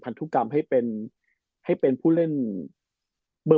ธุกรรมให้เป็นให้เป็นผู้เล่นเบอร์